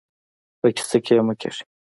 په کيسه کې يې مه کېږئ.